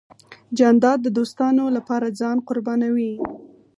جانداد د دوستانو له پاره ځان قربانوي .